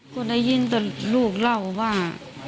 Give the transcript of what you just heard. ก็ได้ยินแต่ลูกเล่าว่า